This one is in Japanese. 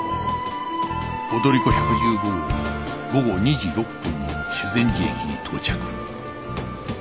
踊り子１１５号は午後２時６分に修善寺駅に到着